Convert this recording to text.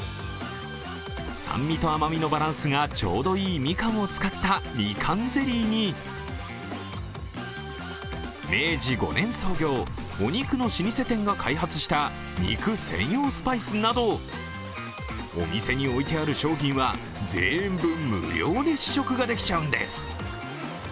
酸味と甘みのバランスがちょうどいいみかんを使った、みかんゼリーに明治５年創業、お肉の老舗店が開発した肉専用スパイスなどお店に置いてある商品は全部無料で試食ができちゃうんです。